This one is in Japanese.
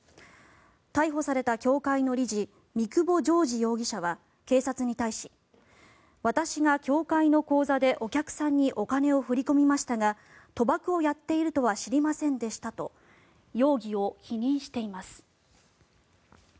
逮捕された協会の理事三久保城司容疑者は警察に対し私が協会の口座でお客さんにお金を振り込みましたが賭博をやっているとは知りませんでしたと容疑を否認しています。